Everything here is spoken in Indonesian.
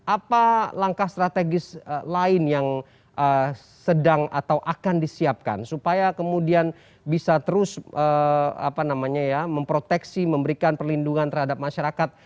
apa langkah strategis lain yang sedang atau akan disiapkan supaya kemudian bisa terus memproteksi memberikan perlindungan terhadap masyarakat